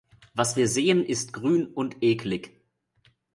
Was wir sehen, ist grün und eklig.